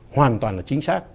hoàn toàn là chính xác